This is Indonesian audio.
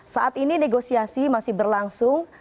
saat ini negosiasi masih berlangsung